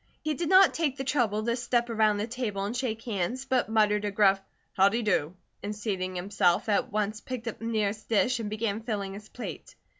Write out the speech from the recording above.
He did not take the trouble to step around the table and shake hands, but muttered a gruff "howdy do?" and seating himself, at once picked up the nearest dish and began filling his plate.